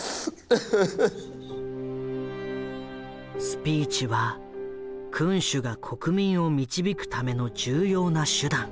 スピーチは君主が国民を導くための重要な手段。